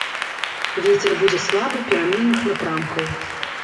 Вецер будзе слабы пераменных напрамкаў.